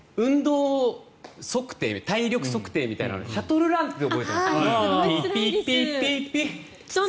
体力測定みたいなのシャトルランって覚えてます？